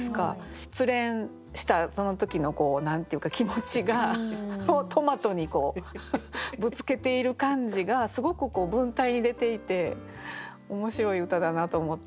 失恋したその時の何て言うか気持ちをトマトにぶつけている感じがすごく文体に出ていて面白い歌だなと思って。